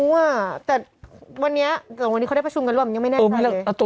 แต่วันนี้เขาได้ประชุมกันหรือเปล่ามันยังไม่แน่ใจเลย